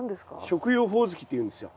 食用ホオズキっていうんですよ。